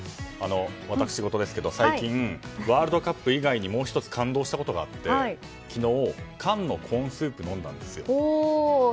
私ごとですが最近、ワールドカップ以外にもう１つ感動したことがあって昨日、缶のコーンスープを飲んだんですよ。